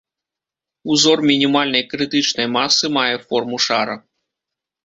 Узор мінімальнай крытычнай масы мае форму шара.